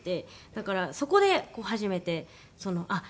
だからそこで初めてあっ